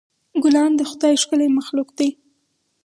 ګلان د خدای ښکلی مخلوق دی.